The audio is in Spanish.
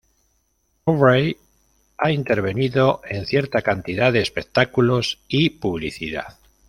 Aubrey ha intervenido en cierta cantidad de espectáculos y publicidad.